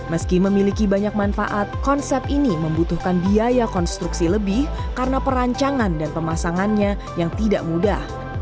meski memiliki banyak manfaat konsep ini membutuhkan biaya konstruksi lebih karena perancangan dan pemasangannya yang tidak mudah